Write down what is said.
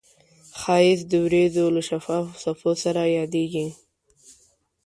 ښایست د وریځو له شفافو څپو سره یادیږي